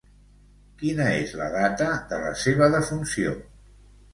Quina és la data de la seva defunció?